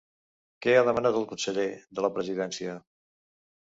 Què ha demanat el conseller de la Presidència?